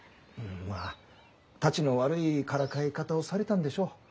まあたちの悪いからかい方をされたんでしょう。